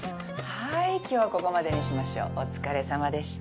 はい今日はここまでにしましょうお疲れさまでした。